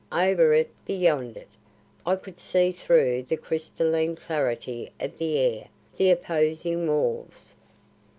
Over it, beyond it, I could see through the crystalline clarity of the air the opposing walls.